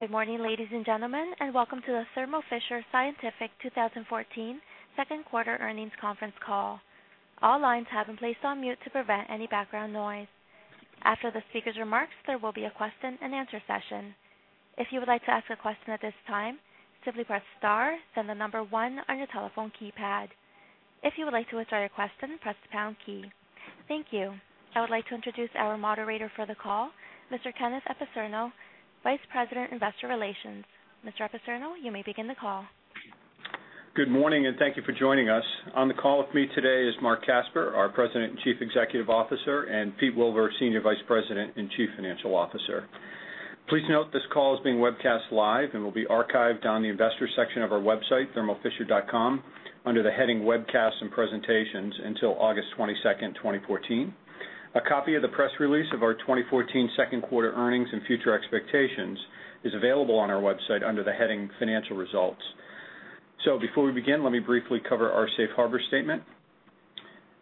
Good morning, ladies and gentlemen, welcome to the Thermo Fisher Scientific 2014 second quarter earnings conference call. All lines have been placed on mute to prevent any background noise. After the speaker's remarks, there will be a question and answer session. If you would like to ask a question at this time, simply press star, then the number 1 on your telephone keypad. If you would like to withdraw your question, press the pound key. Thank you. I would like to introduce our moderator for the call, Mr. Kenneth Apicerno, Vice President, Investor Relations. Mr. Apicerno, you may begin the call. Good morning, thank you for joining us. On the call with me today is Marc Casper, our President and Chief Executive Officer, and Pete Wilver, Senior Vice President and Chief Financial Officer. Please note this call is being webcast live and will be archived on the investor section of our website, thermofisher.com, under the heading Webcasts and Presentations until August 22nd, 2014. A copy of the press release of our 2014 second quarter earnings and future expectations is available on our website under the heading Financial Results. Before we begin, let me briefly cover our safe harbor statement.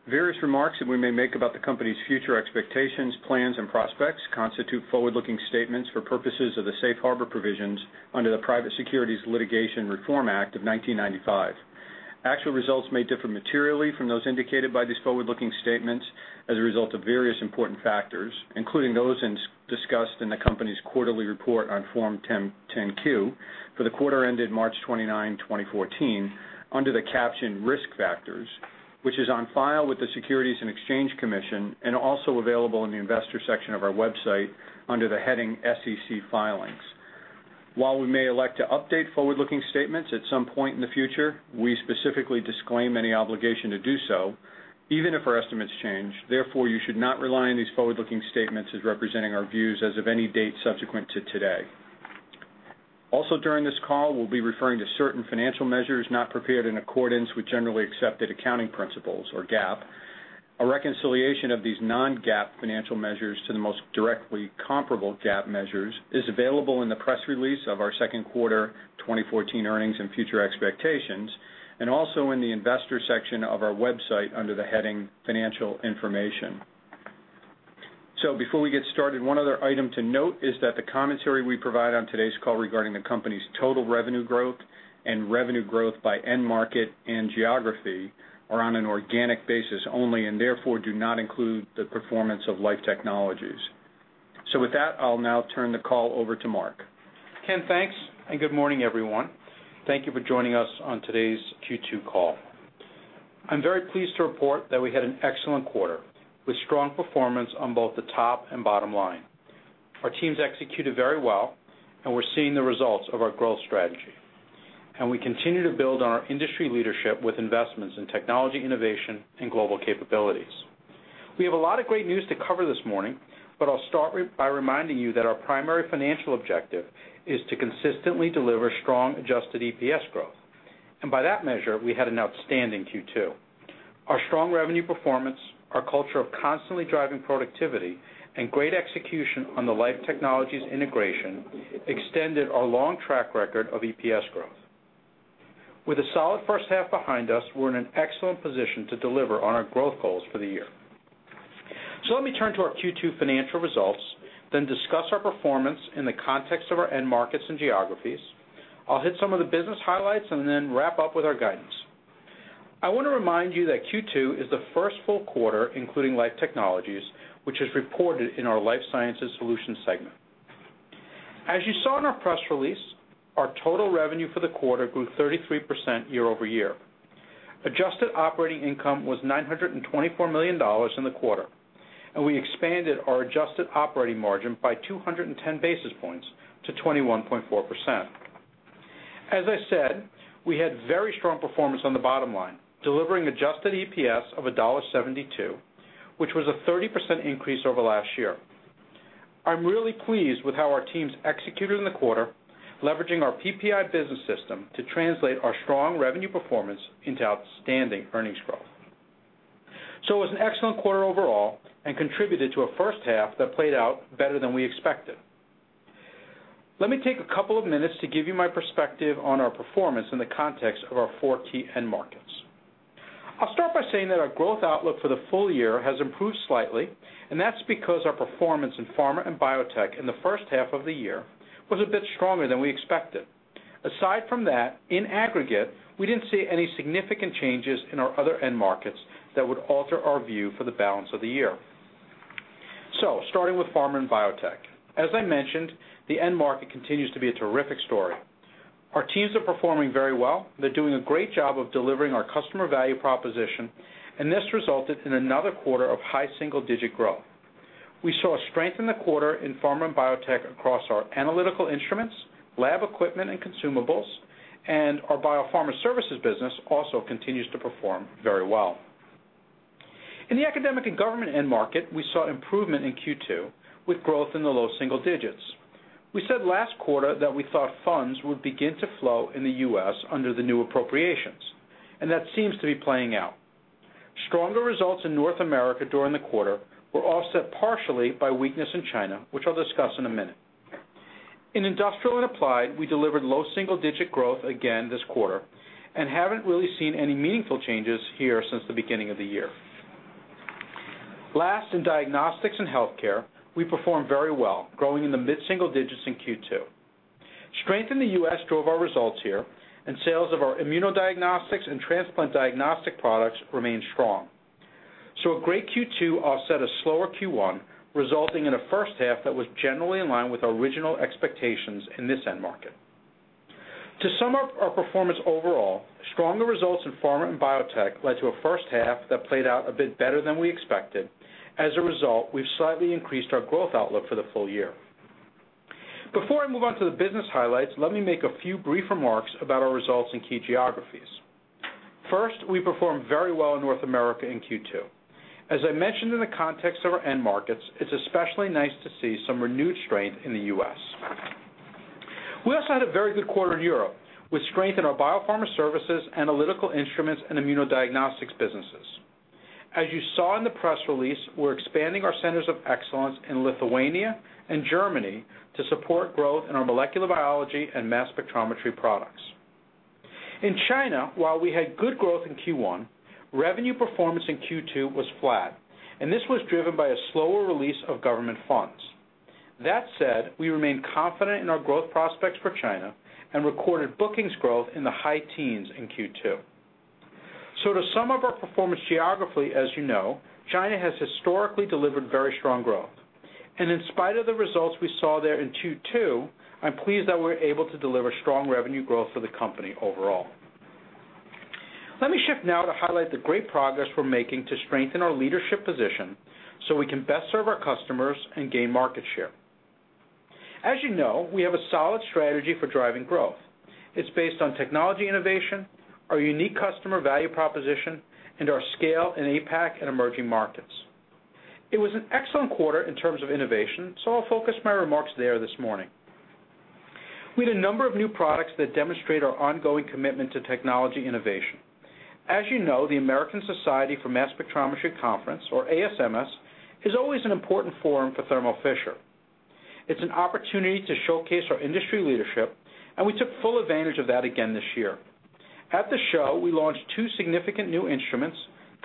Various remarks that we may make about the company's future expectations, plans, and prospects constitute forward-looking statements for purposes of the safe harbor provisions under the Private Securities Litigation Reform Act of 1995. Actual results may differ materially from those indicated by these forward-looking statements as a result of various important factors, including those discussed in the company's quarterly report on Form 10-Q for the quarter ended March 29, 2014, under the caption Risk Factors, which is on file with the Securities and Exchange Commission and also available in the investor section of our website under the heading SEC Filings. While we may elect to update forward-looking statements at some point in the future, we specifically disclaim any obligation to do so, even if our estimates change. Therefore, you should not rely on these forward-looking statements as representing our views as of any date subsequent to today. During this call, we'll be referring to certain financial measures not prepared in accordance with generally accepted accounting principles, or GAAP. A reconciliation of these non-GAAP financial measures to the most directly comparable GAAP measures is available in the press release of our second quarter 2014 earnings and future expectations, also in the investor section of our website under the heading Financial Information. Before we get started, one other item to note is that the commentary we provide on today's call regarding the company's total revenue growth and revenue growth by end market and geography are on an organic basis only and therefore do not include the performance of Life Technologies. With that, I'll now turn the call over to Marc. Ken, thanks, good morning, everyone. Thank you for joining us on today's Q2 call. I'm very pleased to report that we had an excellent quarter, with strong performance on both the top and bottom line. Our teams executed very well, we're seeing the results of our growth strategy. We continue to build on our industry leadership with investments in technology innovation and global capabilities. We have a lot of great news to cover this morning, I'll start by reminding you that our primary financial objective is to consistently deliver strong adjusted EPS growth. By that measure, we had an outstanding Q2. Our strong revenue performance, our culture of constantly driving productivity, and great execution on the Life Technologies integration extended our long track record of EPS growth. With a solid first half behind us, we're in an excellent position to deliver on our growth goals for the year. Let me turn to our Q2 financial results, discuss our performance in the context of our end markets and geographies. I'll hit some of the business highlights wrap up with our guidance. I want to remind you that Q2 is the first full quarter including Life Technologies, which is reported in our Life Sciences Solutions segment. As you saw in our press release, our total revenue for the quarter grew 33% year-over-year. Adjusted operating income was $924 million in the quarter, we expanded our adjusted operating margin by 210 basis points to 21.4%. As I said, we had very strong performance on the bottom line, delivering adjusted EPS of $1.72, which was a 30% increase over last year. I'm really pleased with how our teams executed in the quarter, leveraging our PPI business system to translate our strong revenue performance into outstanding earnings growth. It was an excellent quarter overall contributed to a first half that played out better than we expected. Let me take a couple of minutes to give you my perspective on our performance in the context of our four key end markets. I'll start by saying that our growth outlook for the full year has improved slightly, that's because our performance in pharma and biotech in the first half of the year was a bit stronger than we expected. Aside from that, in aggregate, we didn't see any significant changes in our other end markets that would alter our view for the balance of the year. Starting with pharma and biotech. As I mentioned, the end market continues to be a terrific story. Our teams are performing very well. They're doing a great job of delivering our customer value proposition, this resulted in another quarter of high single-digit growth. We saw strength in the quarter in pharma and biotech across our Analytical Instruments, lab equipment, consumables, our biopharma services business also continues to perform very well. In the academic and government end market, we saw improvement in Q2, with growth in the low single digits. We said last quarter that we thought funds would begin to flow in the U.S. under the new appropriations, that seems to be playing out. Stronger results in North America during the quarter were offset partially by weakness in China, which I'll discuss in a minute. In industrial and applied, we delivered low double-digit growth again this quarter and haven't really seen any meaningful changes here since the beginning of the year. Last, in diagnostics and healthcare, we performed very well, growing in the mid-single digits in Q2. Strength in the U.S. drove our results here, and sales of our immunodiagnostics and transplant diagnostic products remained strong. A great Q2 offset a slower Q1, resulting in a first half that was generally in line with our original expectations in this end market. To sum up our performance overall, stronger results in pharma and biotech led to a first half that played out a bit better than we expected. As a result, we've slightly increased our growth outlook for the full year. Before I move on to the business highlights, let me make a few brief remarks about our results in key geographies. First, we performed very well in North America in Q2. As I mentioned in the context of our end markets, it's especially nice to see some renewed strength in the U.S. We also had a very good quarter in Europe, with strength in our biopharma services, Analytical Instruments, and immunodiagnostics businesses. As you saw in the press release, we're expanding our centers of excellence in Lithuania and Germany to support growth in our molecular biology and mass spectrometry products. In China, while we had good growth in Q1, revenue performance in Q2 was flat, and this was driven by a slower release of government funds. That said, we remain confident in our growth prospects for China and recorded bookings growth in the high teens in Q2. To sum up our performance geographically, as you know, China has historically delivered very strong growth. In spite of the results we saw there in Q2, I'm pleased that we're able to deliver strong revenue growth for the company overall. Let me shift now to highlight the great progress we're making to strengthen our leadership position so we can best serve our customers and gain market share. As you know, we have a solid strategy for driving growth. It's based on technology innovation, our unique customer value proposition, and our scale in APAC and emerging markets. It was an excellent quarter in terms of innovation, I'll focus my remarks there this morning. We had a number of new products that demonstrate our ongoing commitment to technology innovation. As you know, the American Society for Mass Spectrometry conference, or ASMS, is always an important forum for Thermo Fisher. It's an opportunity to showcase our industry leadership, and we took full advantage of that again this year. At the show, we launched two significant new instruments,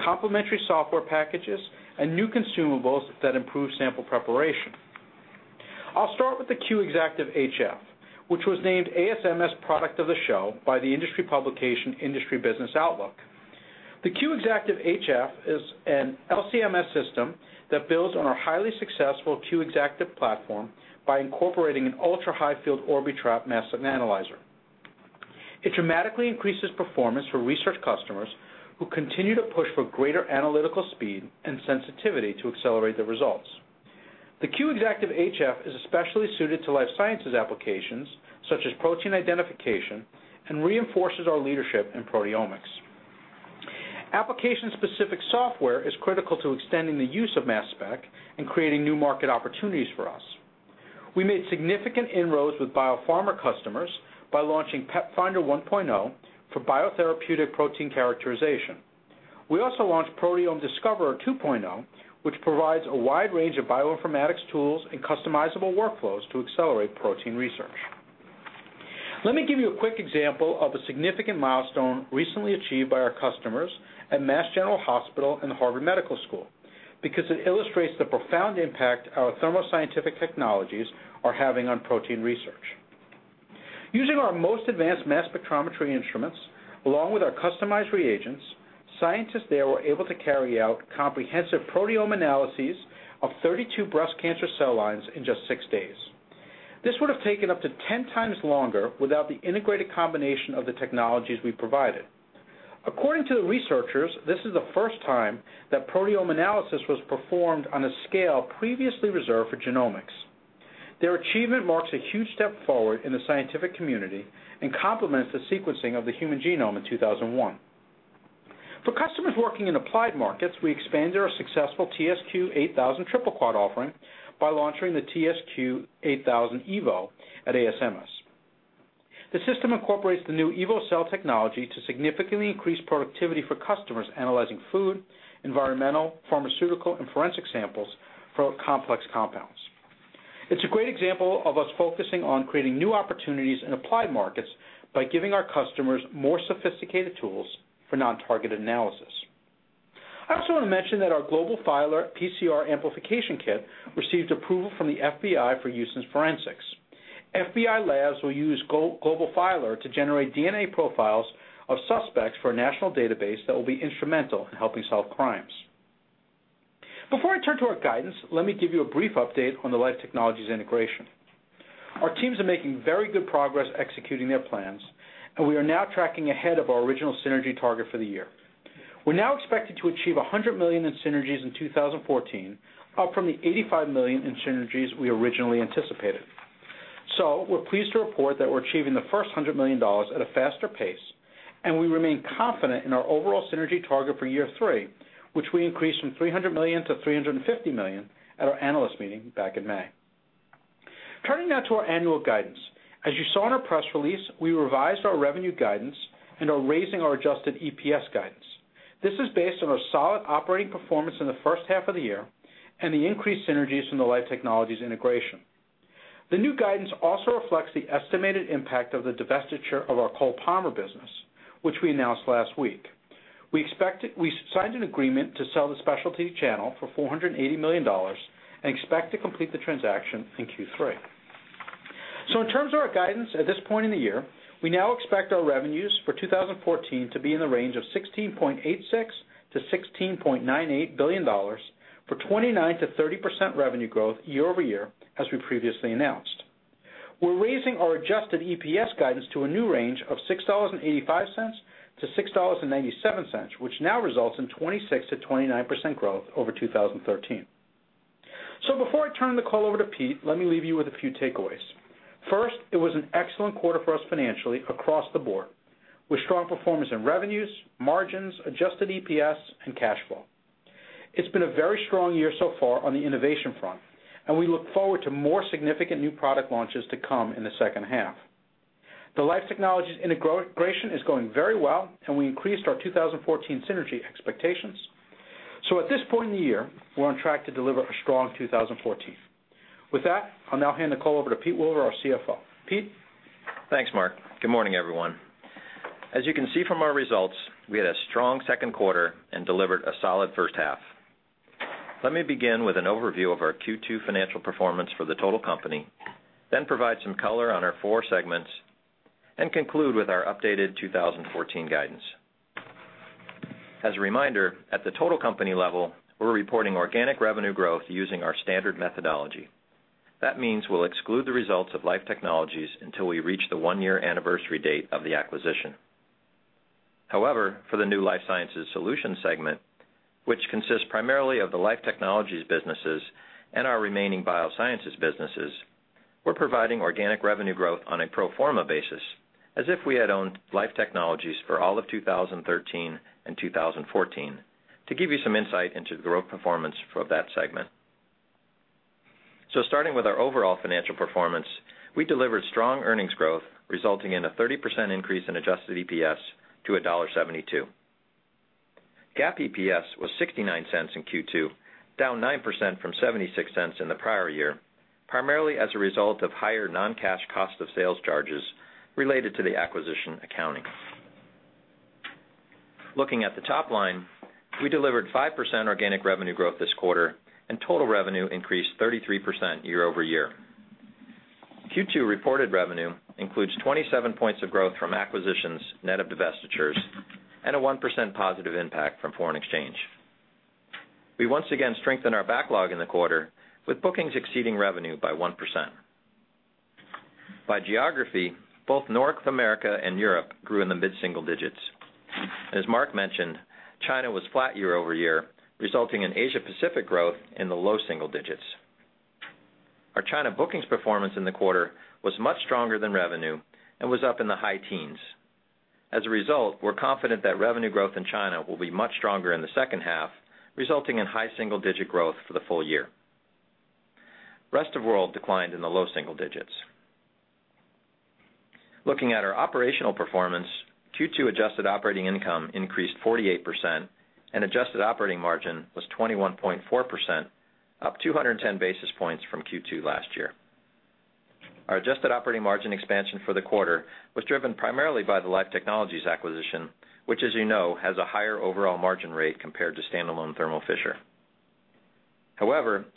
complementary software packages, and new consumables that improve sample preparation. I'll start with the Q Exactive HF, which was named ASMS Product of the Show by the industry publication Instrument Business Outlook. The Q Exactive HF is an LC-MS system that builds on our highly successful Q Exactive platform by incorporating an ultra-high field Orbitrap mass analyzer. It dramatically increases performance for research customers who continue to push for greater analytical speed and sensitivity to accelerate their results. The Q Exactive HF is especially suited to life sciences applications, such as protein identification, and reinforces our leadership in proteomics. Application-specific software is critical to extending the use of mass spec and creating new market opportunities for us. We made significant inroads with biopharma customers by launching PepFinder 1.0 for biotherapeutic protein characterization. We also launched Proteome Discoverer 2.0, which provides a wide range of bioinformatics tools and customizable workflows to accelerate protein research. Let me give you a quick example of a significant milestone recently achieved by our customers at Massachusetts General Hospital and the Harvard Medical School, because it illustrates the profound impact our Thermo Scientific technologies are having on protein research. Using our most advanced mass spectrometry instruments, along with our customized reagents, scientists there were able to carry out comprehensive proteome analyses of 32 breast cancer cell lines in just six days. This would have taken up to 10 times longer without the integrated combination of the technologies we provided. According to the researchers, this is the first time that proteome analysis was performed on a scale previously reserved for genomics. Their achievement marks a huge step forward in the scientific community and complements the sequencing of the human genome in 2001. For customers working in applied markets, we expanded our successful TSQ 8000 triple quad offering by launching the TSQ 8000 Evo at ASMS. The system incorporates the new Evo cell technology to significantly increase productivity for customers analyzing food, environmental, pharmaceutical, and forensic samples for complex compounds. I also want to mention that our GlobalFiler PCR amplification kit received approval from the FBI for use in forensics. FBI labs will use GlobalFiler to generate DNA profiles of suspects for a national database that will be instrumental in helping solve crimes. Before I turn to our guidance, let me give you a brief update on the Life Technologies integration. Our teams are making very good progress executing their plans, and we are now tracking ahead of our original synergy target for the year. We're now expected to achieve $100 million in synergies in 2014, up from the $85 million in synergies we originally anticipated. We're pleased to report that we're achieving the first $100 million at a faster pace, and we remain confident in our overall synergy target for year three, which we increased from $300 million to $350 million at our analyst meeting back in May. Turning now to our annual guidance. As you saw in our press release, we revised our revenue guidance and are raising our adjusted EPS guidance. This is based on our solid operating performance in the first half of the year and the increased synergies from the Life Technologies integration. The new guidance also reflects the estimated impact of the divestiture of our Cole-Parmer business, which we announced last week. We signed an agreement to sell the specialty channel for $480 million and expect to complete the transaction in Q3. In terms of our guidance at this point in the year, we now expect our revenues for 2014 to be in the range of $16.86 billion-$16.98 billion for 29%-30% revenue growth year-over-year, as we previously announced. We're raising our adjusted EPS guidance to a new range of $6.85-$6.97, which now results in 26%-29% growth over 2013. Before I turn the call over to Pete, let me leave you with a few takeaways. It was an excellent quarter for us financially across the board, with strong performance in revenues, margins, adjusted EPS, and cash flow. It's been a very strong year so far on the innovation front, we look forward to more significant new product launches to come in the second half. The Life Technologies integration is going very well, and we increased our 2014 synergy expectations. At this point in the year, we're on track to deliver a strong 2014. With that, I'll now hand the call over to Pete Wilver, our CFO. Pete? Thanks, Marc. Good morning, everyone. As you can see from our results, we had a strong second quarter and delivered a solid first half. Let me begin with an overview of our Q2 financial performance for the total company, then provide some color on our four segments, and conclude with our updated 2014 guidance. As a reminder, at the total company level, we're reporting organic revenue growth using our standard methodology. That means we'll exclude the results of Life Technologies until we reach the one-year anniversary date of the acquisition. However, for the new Life Sciences Solutions segment, which consists primarily of the Life Technologies businesses and our remaining biosciences businesses, we're providing organic revenue growth on a pro forma basis, as if we had owned Life Technologies for all of 2013 and 2014 to give you some insight into the growth performance for that segment. Starting with our overall financial performance, we delivered strong earnings growth resulting in a 30% increase in adjusted EPS to $1.72. GAAP EPS was $0.69 in Q2, down 9% from $0.76 in the prior year, primarily as a result of higher non-cash cost of sales charges related to the acquisition accounting. Looking at the top line, we delivered 5% organic revenue growth this quarter and total revenue increased 33% year-over-year. Q2 reported revenue includes 27 points of growth from acquisitions net of divestitures and a 1% positive impact from foreign exchange. We once again strengthened our backlog in the quarter with bookings exceeding revenue by 1%. By geography, both North America and Europe grew in the mid-single digits. As Marc mentioned, China was flat year-over-year, resulting in Asia-Pacific growth in the low single digits. Our China bookings performance in the quarter was much stronger than revenue and was up in the high teens. As a result, we're confident that revenue growth in China will be much stronger in the second half, resulting in high single digit growth for the full year. Rest of world declined in the low single digits. Looking at our operational performance, Q2 adjusted operating income increased 48% and adjusted operating margin was 21.4%, up 210 basis points from Q2 last year. Our adjusted operating margin expansion for the quarter was driven primarily by the Life Technologies acquisition, which as you know, has a higher overall margin rate compared to standalone Thermo Fisher.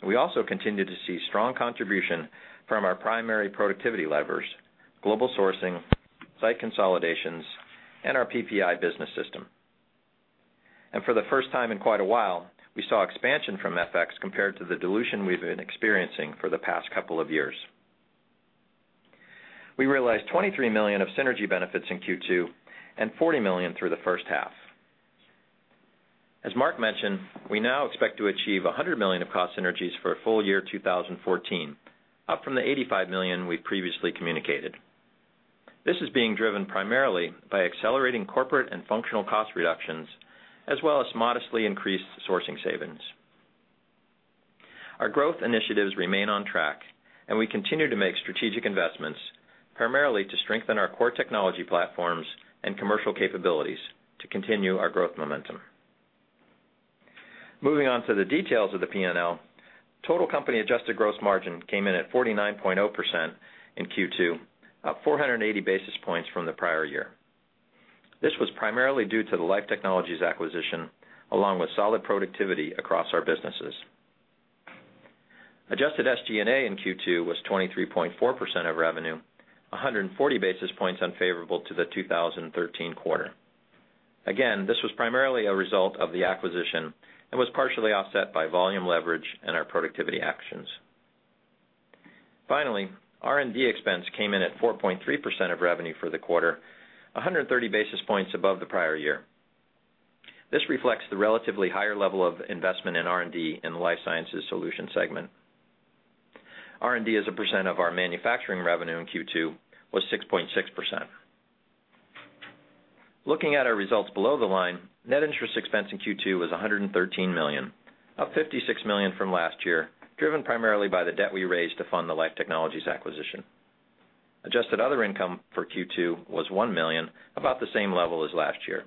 We also continued to see strong contribution from our primary productivity levers, global sourcing, site consolidations, and our PPI business system. For the first time in quite a while, we saw expansion from FX compared to the dilution we've been experiencing for the past couple of years. We realized $23 million of synergy benefits in Q2 and $40 million through the first half. As Marc mentioned, we now expect to achieve $100 million of cost synergies for full year 2014, up from the $85 million we previously communicated. This is being driven primarily by accelerating corporate and functional cost reductions, as well as modestly increased sourcing savings. Our growth initiatives remain on track, and we continue to make strategic investments, primarily to strengthen our core technology platforms and commercial capabilities to continue our growth momentum. Moving on to the details of the P&L, total company adjusted gross margin came in at 49.0% in Q2, up 480 basis points from the prior year. This was primarily due to the Life Technologies acquisition, along with solid productivity across our businesses. Adjusted SG&A in Q2 was 23.4% of revenue, 140 basis points unfavorable to the 2013 quarter. Again, this was primarily a result of the acquisition and was partially offset by volume leverage and our productivity actions. Finally, R&D expense came in at 4.3% of revenue for the quarter, 130 basis points above the prior year. This reflects the relatively higher level of investment in R&D in the Life Sciences Solutions segment. R&D as a percent of our manufacturing revenue in Q2 was 6.6%. Looking at our results below the line, net interest expense in Q2 was $113 million, up $56 million from last year, driven primarily by the debt we raised to fund the Life Technologies acquisition. Adjusted other income for Q2 was $1 million, about the same level as last year.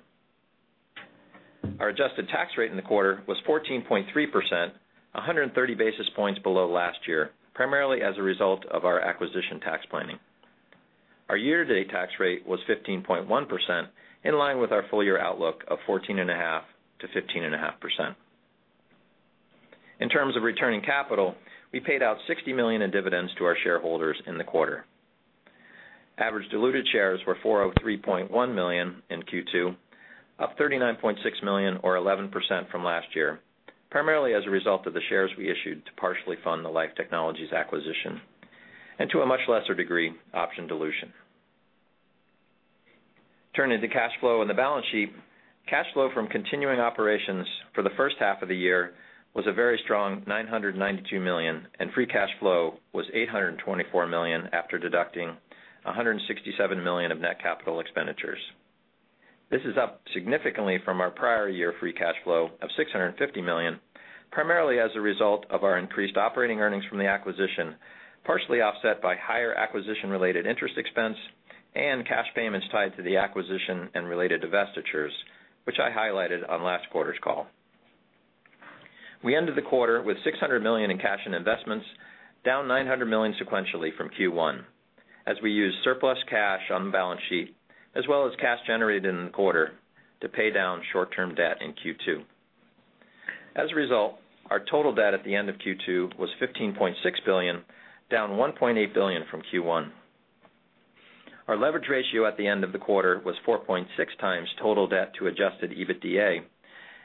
Our adjusted tax rate in the quarter was 14.3%, 130 basis points below last year, primarily as a result of our acquisition tax planning. Our year-to-date tax rate was 15.1%, in line with our full-year outlook of 14.5%-15.5%. In terms of returning capital, we paid out $60 million in dividends to our shareholders in the quarter. Average diluted shares were 403.1 million in Q2, up 39.6 million or 11% from last year, primarily as a result of the shares we issued to partially fund the Life Technologies acquisition, and to a much lesser degree, option dilution. Turning to cash flow and the balance sheet, cash flow from continuing operations for the first half of the year was a very strong $992 million, and free cash flow was $824 million after deducting $167 million of net capital expenditures. This is up significantly from our prior year free cash flow of $650 million, primarily as a result of our increased operating earnings from the acquisition, partially offset by higher acquisition-related interest expense and cash payments tied to the acquisition and related divestitures, which I highlighted on last quarter's call. We ended the quarter with $600 million in cash and investments, down $900 million sequentially from Q1, as we used surplus cash on the balance sheet as well as cash generated in the quarter to pay down short-term debt in Q2. As a result, our total debt at the end of Q2 was $15.6 billion, down $1.8 billion from Q1. Our leverage ratio at the end of the quarter was 4.6 times total debt to adjusted EBITDA,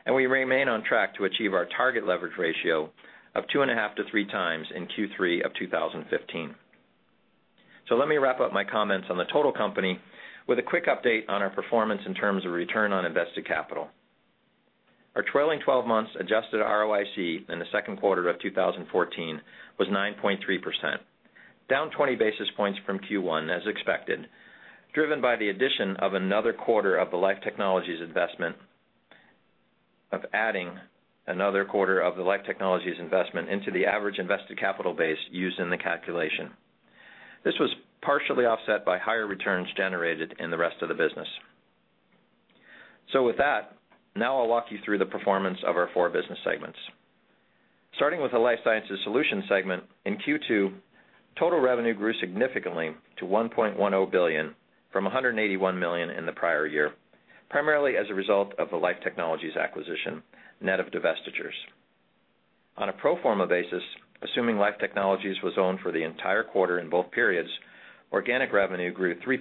and we remain on track to achieve our target leverage ratio of 2.5 to 3 times in Q3 of 2015. Let me wrap up my comments on the total company with a quick update on our performance in terms of return on invested capital. Our trailing 12 months adjusted ROIC in the second quarter of 2014 was 9.3%, down 20 basis points from Q1 as expected, driven by the addition of another quarter of the Life Technologies investment into the average invested capital base used in the calculation. This was partially offset by higher returns generated in the rest of the business. With that, now I'll walk you through the performance of our four business segments. Starting with the Life Sciences Solutions segment in Q2, total revenue grew significantly to $1.10 billion from $181 million in the prior year, primarily as a result of the Life Technologies acquisition, net of divestitures. On a pro forma basis, assuming Life Technologies was owned for the entire quarter in both periods, organic revenue grew 3%.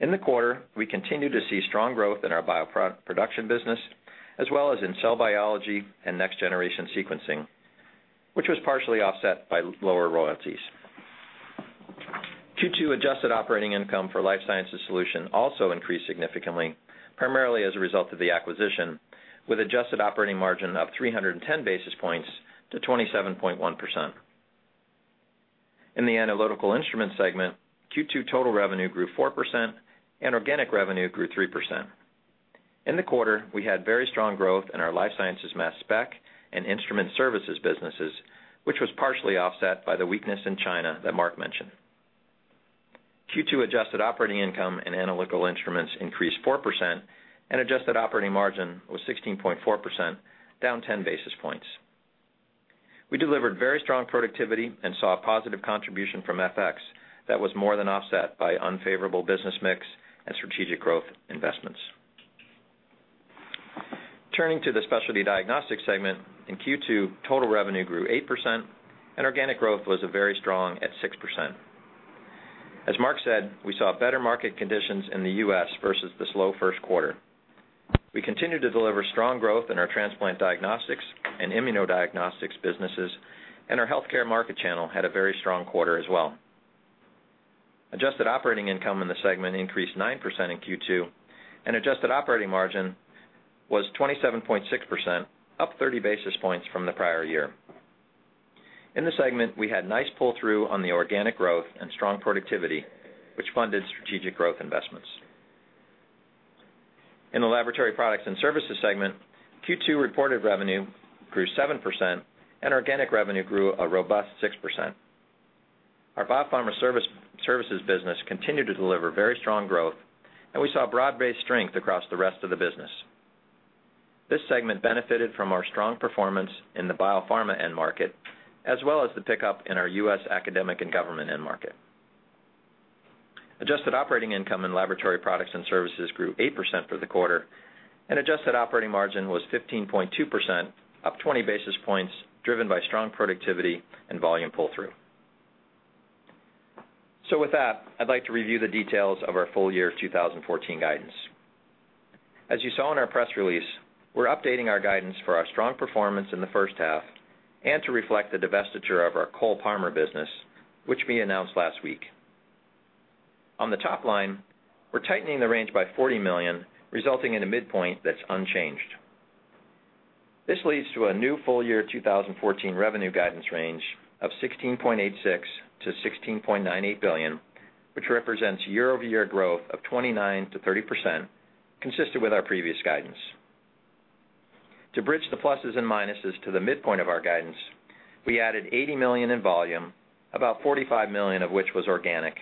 In the quarter, we continued to see strong growth in our bioproduction business, as well as in cell biology and next-generation sequencing, which was partially offset by lower royalties. Q2 adjusted operating income for Life Sciences Solutions also increased significantly, primarily as a result of the acquisition, with adjusted operating margin up 310 basis points to 27.1%. In the Analytical Instruments segment, Q2 total revenue grew 4% and organic revenue grew 3%. In the quarter, we had very strong growth in our life sciences mass spec and instrument services businesses, which was partially offset by the weakness in China that Marc mentioned. Q2 adjusted operating income in Analytical Instruments increased 4% and adjusted operating margin was 16.4%, down 10 basis points. We delivered very strong productivity and saw a positive contribution from FX that was more than offset by unfavorable business mix and strategic growth investments. Turning to the Specialty Diagnostics segment, in Q2, total revenue grew 8% and organic growth was very strong at 6%. As Marc said, we saw better market conditions in the U.S. versus the slow first quarter. We continued to deliver strong growth in our transplant diagnostics and immunodiagnostics businesses, and our healthcare market channel had a very strong quarter as well. Adjusted operating income in the segment increased 9% in Q2, and adjusted operating margin was 27.6%, up 30 basis points from the prior year. In the segment, we had nice pull-through on the organic growth and strong productivity, which funded strategic growth investments. In the Laboratory Products and Services segment, Q2 reported revenue grew 7% and organic revenue grew a robust 6%. Our biopharma services business continued to deliver very strong growth, and we saw broad-based strength across the rest of the business. This segment benefited from our strong performance in the biopharma end market, as well as the pickup in our U.S. academic and government end market. Adjusted operating income in Laboratory Products and Services grew 8% for the quarter, and adjusted operating margin was 15.2%, up 20 basis points, driven by strong productivity and volume pull-through. With that, I'd like to review the details of our full year 2014 guidance. As you saw in our press release, we're updating our guidance for our strong performance in the first half and to reflect the divestiture of our Cole-Parmer business, which we announced last week. On the top line, we're tightening the range by $40 million, resulting in a midpoint that's unchanged. This leads to a new full-year 2014 revenue guidance range of $16.86 billion-$16.98 billion, which represents year-over-year growth of 29%-30%, consistent with our previous guidance. To bridge the pluses and minuses to the midpoint of our guidance, we added $80 million in volume, about $45 million of which was organic,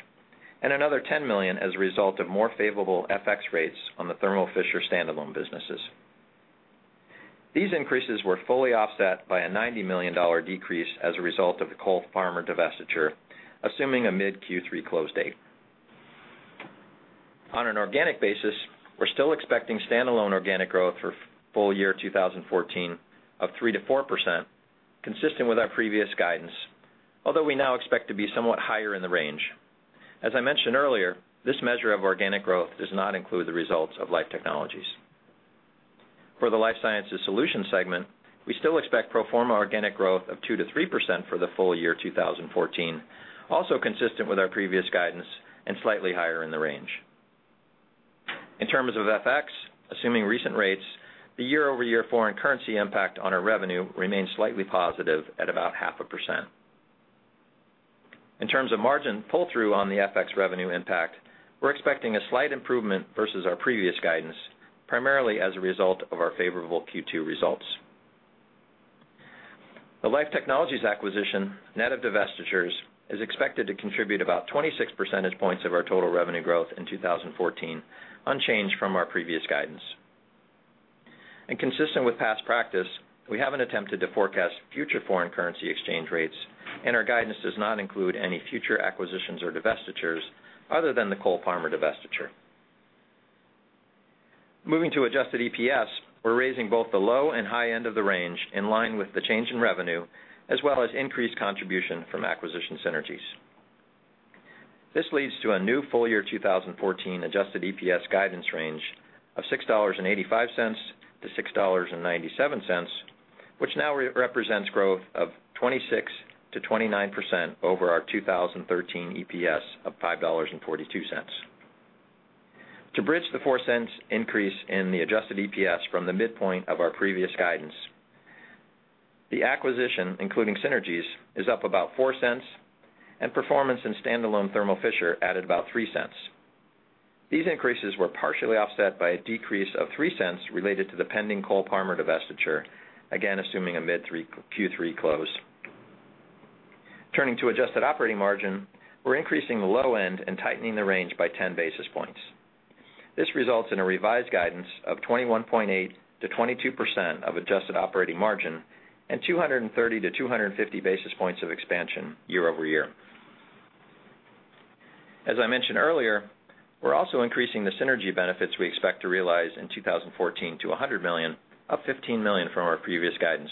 and another $10 million as a result of more favorable FX rates on the Thermo Fisher standalone businesses. These increases were fully offset by a $90 million decrease as a result of the Cole-Parmer divestiture, assuming a mid Q3 close date. On an organic basis, we're still expecting standalone organic growth for full year 2014 of 3%-4%, consistent with our previous guidance, although we now expect to be somewhat higher in the range. As I mentioned earlier, this measure of organic growth does not include the results of Life Technologies. For the Life Sciences Solutions segment, we still expect pro forma organic growth of 2%-3% for the full year 2014, also consistent with our previous guidance and slightly higher in the range. In terms of FX, assuming recent rates, the year-over-year foreign currency impact on our revenue remains slightly positive at about half a percent. In terms of margin pull-through on the FX revenue impact, we're expecting a slight improvement versus our previous guidance, primarily as a result of our favorable Q2 results. The Life Technologies acquisition, net of divestitures, is expected to contribute about 26 percentage points of our total revenue growth in 2014, unchanged from our previous guidance. Consistent with past practice, we haven't attempted to forecast future foreign currency exchange rates, and our guidance does not include any future acquisitions or divestitures other than the Cole-Parmer divestiture. Moving to adjusted EPS, we're raising both the low and high end of the range in line with the change in revenue, as well as increased contribution from acquisition synergies. This leads to a new full-year 2014 adjusted EPS guidance range of $6.85-$6.97, which now represents growth of 26%-29% over our 2013 EPS of $5.42. To bridge the $0.04 increase in the adjusted EPS from the midpoint of our previous guidance, the acquisition, including synergies, is up about $0.04, and performance in standalone Thermo Fisher added about $0.03. These increases were partially offset by a decrease of $0.03 related to the pending Cole-Parmer divestiture, again, assuming a mid Q3 close. Turning to adjusted operating margin, we're increasing the low end and tightening the range by 10 basis points. This results in a revised guidance of 21.8%-22% of adjusted operating margin and 230-250 basis points of expansion year-over-year. As I mentioned earlier, we're also increasing the synergy benefits we expect to realize in 2014 to $100 million, up $15 million from our previous guidance.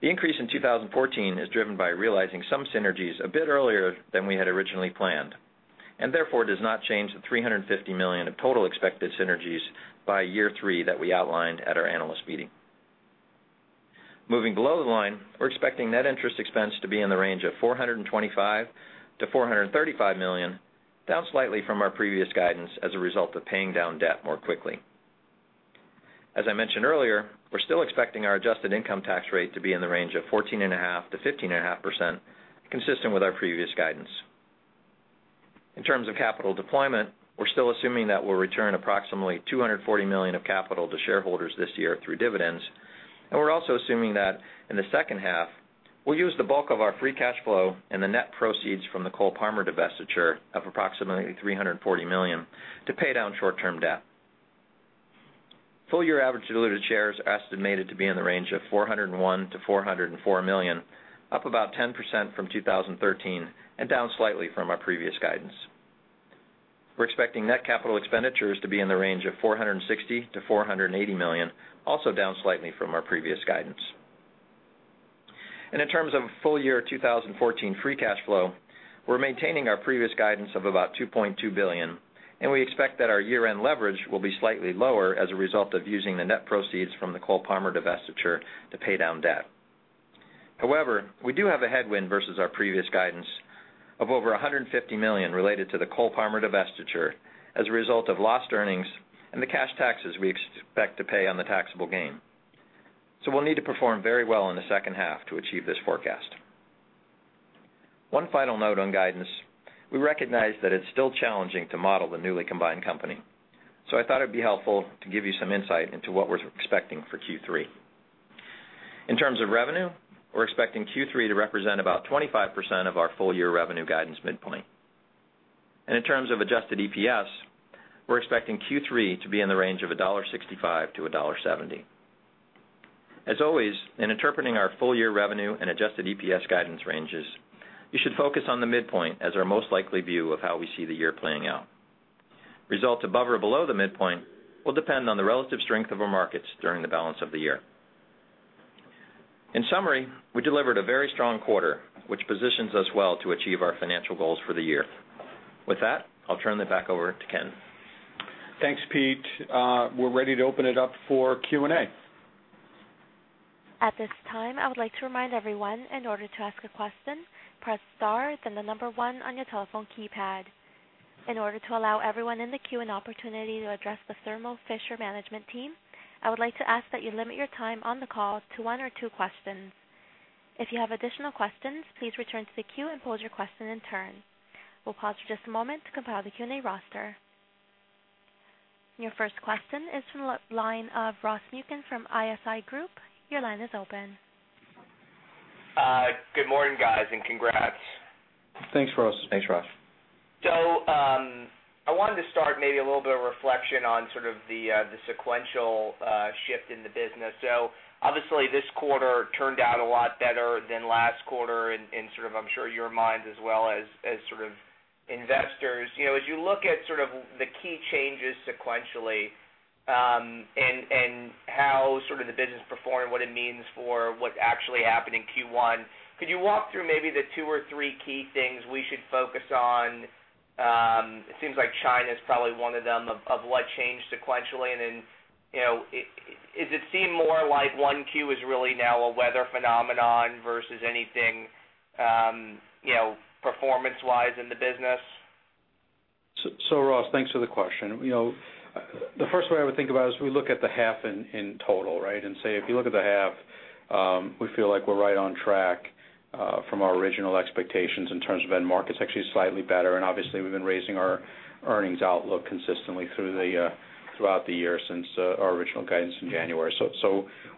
The increase in 2014 is driven by realizing some synergies a bit earlier than we had originally planned, and therefore, does not change the $350 million of total expected synergies by year three that we outlined at our analyst meeting. Moving below the line, we're expecting net interest expense to be in the range of $425 million-$435 million, down slightly from our previous guidance as a result of paying down debt more quickly. As I mentioned earlier, we're still expecting our adjusted income tax rate to be in the range of 14.5%-15.5%, consistent with our previous guidance. In terms of capital deployment, we're still assuming that we'll return approximately $240 million of capital to shareholders this year through dividends, and we're also assuming that in the second half, we'll use the bulk of our free cash flow and the net proceeds from the Cole-Parmer divestiture of approximately $340 million to pay down short-term debt. Full year average diluted shares are estimated to be in the range of 401 million-404 million, up about 10% from 2013 and down slightly from our previous guidance. We're expecting net capital expenditures to be in the range of $460 million-$480 million, also down slightly from our previous guidance. In terms of full year 2014 free cash flow, we're maintaining our previous guidance of about $2.2 billion, and we expect that our year-end leverage will be slightly lower as a result of using the net proceeds from the Cole-Parmer divestiture to pay down debt. However, we do have a headwind versus our previous guidance of over $150 million related to the Cole-Parmer divestiture as a result of lost earnings and the cash taxes we expect to pay on the taxable gain. We'll need to perform very well in the second half to achieve this forecast. One final note on guidance. We recognize that it's still challenging to model the newly combined company, so I thought it'd be helpful to give you some insight into what we're expecting for Q3. In terms of revenue, we're expecting Q3 to represent about 25% of our full year revenue guidance midpoint. In terms of adjusted EPS, we're expecting Q3 to be in the range of $1.65-$1.70. As always, in interpreting our full year revenue and adjusted EPS guidance ranges, you should focus on the midpoint as our most likely view of how we see the year playing out. Results above or below the midpoint will depend on the relative strength of our markets during the balance of the year. In summary, we delivered a very strong quarter, which positions us well to achieve our financial goals for the year. With that, I'll turn it back over to Ken. Thanks, Pete. We're ready to open it up for Q&A. At this time, I would like to remind everyone, in order to ask a question, press star, then 1 on your telephone keypad. In order to allow everyone in the queue an opportunity to address the Thermo Fisher management team, I would like to ask that you limit your time on the call to one or two questions. If you have additional questions, please return to the queue and pose your question in turn. We will pause for just a moment to compile the Q&A roster. Your first question is from the line of Ross Muken from ISI Group. Your line is open. Good morning, guys, congrats. Thanks, Ross. Thanks, Ross. I wanted to start maybe a little bit of reflection on the sequential shift in the business. Obviously this quarter turned out a lot better than last quarter in, I'm sure, your minds as well as investors. As you look at the key changes sequentially, and how the business performed, what it means for what actually happened in Q1, could you walk through maybe the two or three key things we should focus on? It seems like China's probably one of them, of what changed sequentially. Does it seem more like 1Q is really now a weather phenomenon versus anything performance-wise in the business? Ross, thanks for the question. The first way I would think about it is we look at the half in total, right? Say, if you look at the half, we feel like we're right on track, from our original expectations in terms of end markets, actually slightly better. Obviously, we've been raising our earnings outlook consistently throughout the year since our original guidance in January.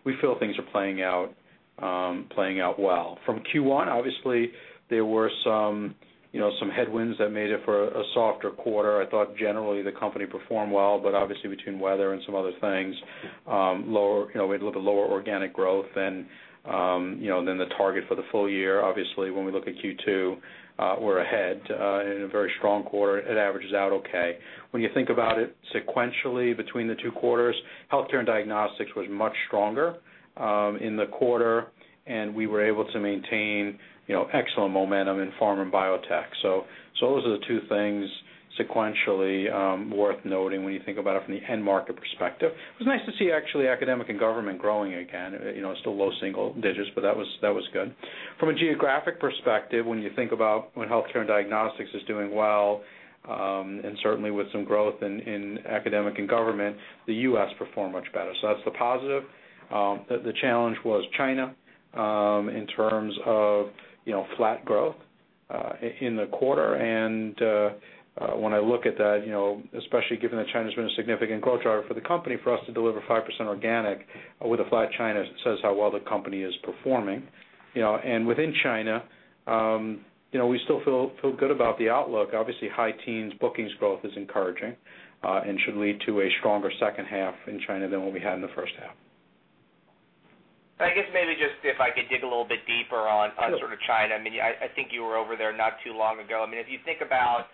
We feel things are playing out well. From Q1, obviously, there were some headwinds that made it for a softer quarter. I thought generally the company performed well, but obviously between weather and some other things, we had a little bit lower organic growth than the target for the full year. Obviously, when we look at Q2, we're ahead in a very strong quarter. It averages out okay. When you think about it sequentially between the two quarters, healthcare and diagnostics was much stronger in the quarter, and we were able to maintain excellent momentum in pharma and biotech. Those are the two things sequentially worth noting when you think about it from the end market perspective. It was nice to see, actually, academic and government growing again. Still low single digits, but that was good. From a geographic perspective, when you think about when healthcare and diagnostics is doing well, and certainly with some growth in academic and government, the U.S. performed much better. That's the positive. The challenge was China, in terms of flat growth, in the quarter. When I look at that, especially given that China's been a significant growth driver for the company, for us to deliver 5% organic with a flat China says how well the company is performing. Within China, we still feel good about the outlook. Obviously, high teens bookings growth is encouraging, and should lead to a stronger second half in China than what we had in the first half. I guess maybe just if I could dig a little bit deeper on. Sure China. I think you were over there not too long ago. If you think about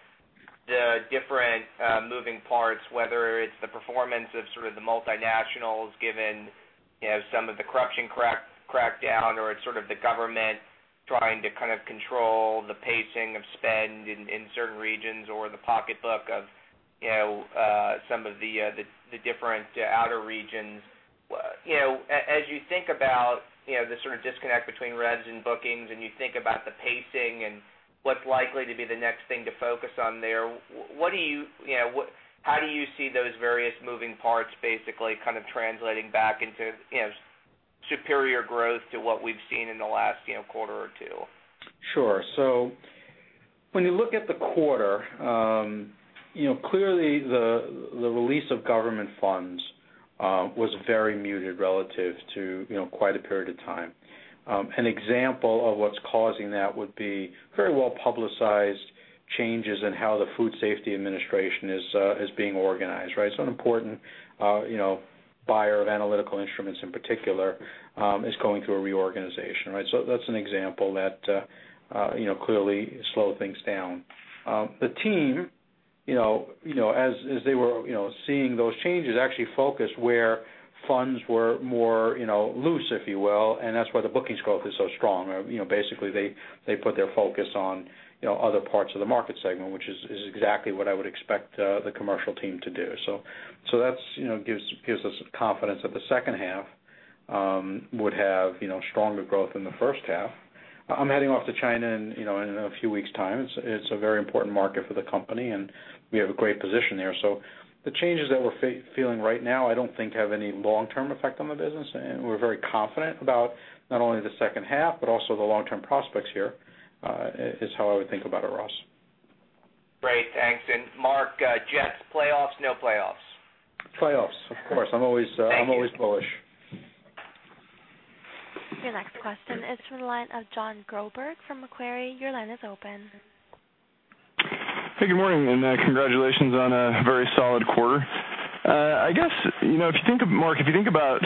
the different moving parts, whether it's the performance of the multinationals, given some of the corruption crackdown or it's the government trying to control the pacing of spend in certain regions or the pocketbook of some of the different outer regions. As you think about the disconnect between revs and bookings, and you think about the pacing and what's likely to be the next thing to focus on there, how do you see those various moving parts basically translating back into superior growth to what we've seen in the last quarter or two? Sure. When you look at the quarter, clearly the release of government funds was very muted relative to quite a period of time. An example of what's causing that would be very well-publicized changes in how the Food Safety Administration is being organized, right? An important buyer of Analytical Instruments, in particular, is going through a reorganization, right? That's an example that clearly slowed things down. The team, as they were seeing those changes, actually focused where funds were more loose, if you will, and that's why the bookings growth is so strong. Basically, they put their focus on other parts of the market segment, which is exactly what I would expect the commercial team to do. That gives us confidence that the second half would have stronger growth than the first half. I'm heading off to China in a few weeks' time. It's a very important market for the company, and we have a great position there. The changes that we're feeling right now, I don't think have any long-term effect on the business. We're very confident about not only the second half, but also the long-term prospects here, is how I would think about it, Ross. Great, thanks. Marc, Jets, playoffs, no playoffs? Playoffs, of course. Thank you. I'm always bullish. Your next question is from the line of Jonathan Groberg from Macquarie. Your line is open. Good morning, congratulations on a very solid quarter. I guess, Marc, if you think about,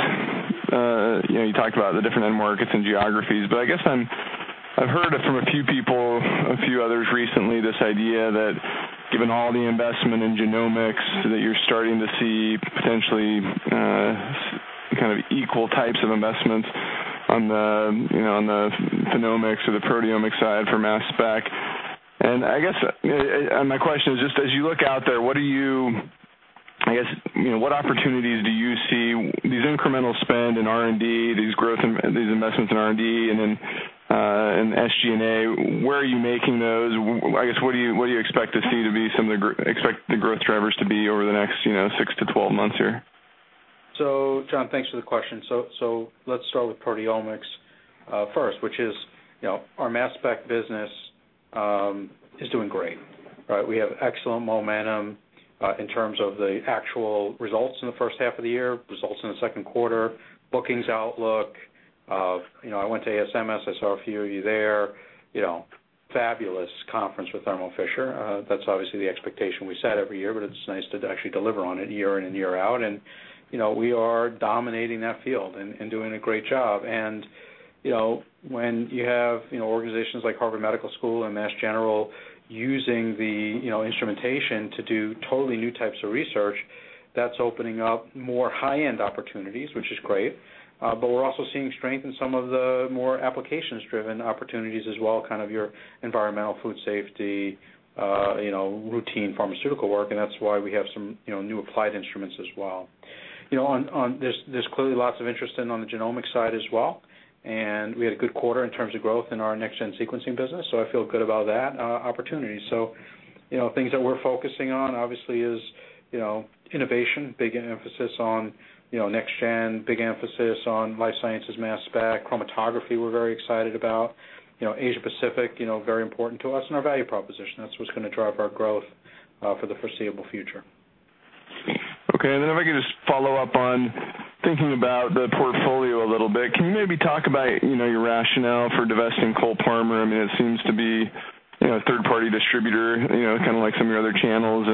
you talked about the different end markets and geographies, but I guess I've heard it from a few people, a few others recently, this idea that given all the investment in genomics, that you're starting to see potentially equal types of investments on the phenomics or the proteomics side for mass spec. I guess my question is just as you look out there, what opportunities do you see, these incremental spend in R&D, these investments in R&D, and then in SG&A, where are you making those? I guess, what do you expect the growth drivers to be over the next 6-12 months here? John, thanks for the question. Let's start with proteomics first, which is our mass spec business is doing great, right? We have excellent momentum in terms of the actual results in the first half of the year, results in the second quarter, bookings outlook. I went to ASMS, I saw a few of you there, fabulous conference with Thermo Fisher. That's obviously the expectation we set every year, but it's nice to actually deliver on it year in and year out. We are dominating that field and doing a great job. When you have organizations like Harvard Medical School and Mass General using the instrumentation to do totally new types of research, that's opening up more high-end opportunities, which is great. We're also seeing strength in some of the more applications-driven opportunities as well, kind of your environmental food safety, routine pharmaceutical work, that's why we have some new applied instruments as well. There's clearly lots of interest in on the genomics side as well, we had a good quarter in terms of growth in our next-gen sequencing business, I feel good about that opportunity. Things that we're focusing on, obviously, is innovation, big emphasis on next gen, big emphasis on life sciences, mass spec, chromatography we're very excited about. Asia Pacific, very important to us and our value proposition. That's what's going to drive our growth for the foreseeable future. Okay, if I could just follow up on thinking about the portfolio a little bit. Can you maybe talk about your rationale for divesting Cole-Parmer? It seems to be a third-party distributor, kind of like some of your other channels.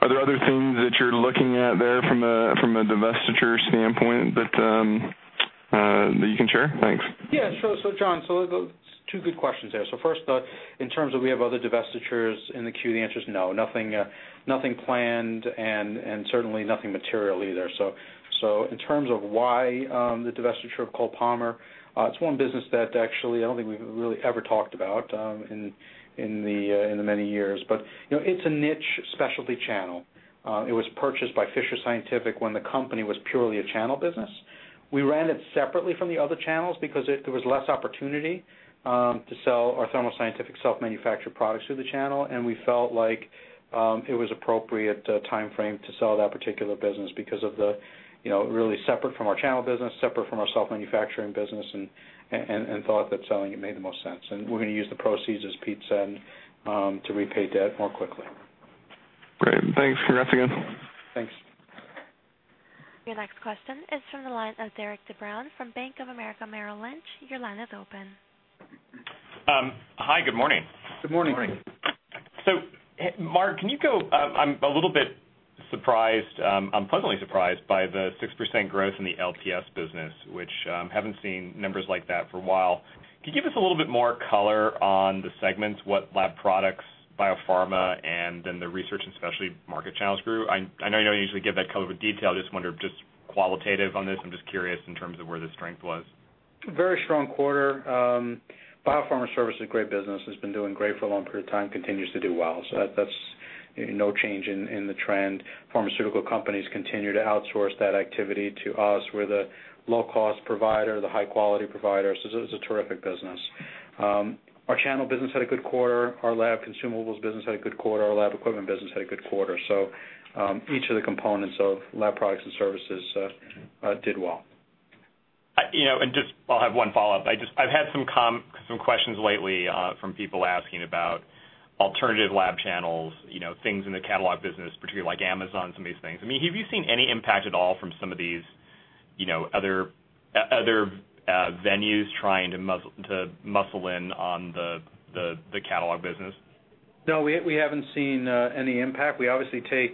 Are there other things that you're looking at there from a divestiture standpoint that you can share? Thanks. Yeah, sure. John, two good questions there. First, in terms of we have other divestitures in the queue, the answer's no. Nothing planned, and certainly nothing material either. In terms of why the divestiture of Cole-Parmer, it's one business that actually, I don't think we've really ever talked about in the many years. It's a niche specialty channel. It was purchased by Fisher Scientific when the company was purely a channel business. We ran it separately from the other channels because there was less opportunity to sell our Thermo Scientific self-manufactured products through the channel, and we felt like it was appropriate timeframe to sell that particular business because of the really separate from our channel business, separate from our self-manufacturing business, and thought that selling it made the most sense. We're going to use the proceeds, as Pete said, to repay debt more quickly. Great. Thanks. Congrats again. Thanks. Your next question is from the line of Derik De Bruin from Bank of America Merrill Lynch. Your line is open. Hi, good morning. Good morning. Marc, I'm a little bit surprised. I'm pleasantly surprised by the 6% growth in the LPS business, which I haven't seen numbers like that for a while. Can you give us a little bit more color on the segments, what lab products, biopharma, and then the research and specialty market channels grew? I know you don't usually give that color of a detail. I just wonder, just qualitative on this, I'm just curious in terms of where the strength was. Very strong quarter. Biopharma services is a great business, has been doing great for a long period of time, continues to do well. That's no change in the trend. Pharmaceutical companies continue to outsource that activity to us. We're the low-cost provider, the high-quality provider, it's a terrific business. Our channel business had a good quarter. Our lab consumables business had a good quarter. Our lab equipment business had a good quarter. Each of the components of lab products and services did well. Just, I'll have one follow-up. I've had some questions lately from people asking about alternative lab channels, things in the catalog business, particularly like Amazon, some of these things. Have you seen any impact at all from some of these other venues trying to muscle in on the catalog business? No, we haven't seen any impact. We obviously take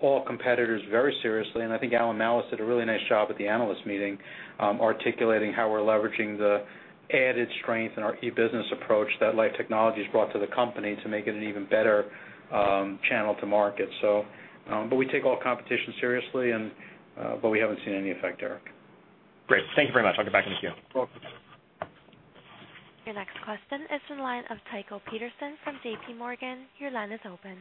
all competitors very seriously, I think Alan Malus did a really nice job at the analyst meeting, articulating how we're leveraging the added strength in our e-business approach that Life Technologies brought to the company to make it an even better channel to market. We take all competition seriously, but we haven't seen any effect, Derik. Great. Thank you very much. I'll get back in the queue. Welcome. Your next question is the line of Tycho Peterson from J.P. Morgan. Your line is open.